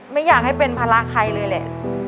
ไม่อยากให้เป็นภาระใครเลยแหละ